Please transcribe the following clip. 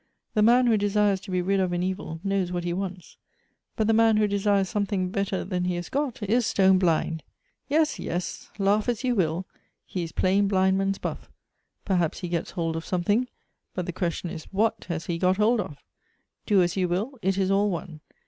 The man who desires to be rid of an evil knows what he wants ; but the man who desires something better than he has got is stone blind. Yes, yes, laugh as you will, he is playing blindman's bufi"; perhaps ho gets hold of something, but the question is what he has got hold of Do as you will, it is all one.